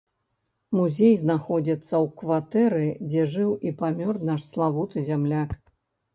Музей знаходзіцца ў кватэры дзе жыў і памёр наш славуты зямляк.